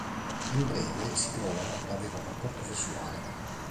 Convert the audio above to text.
In breve, si trovano per avere un rapporto sessuale.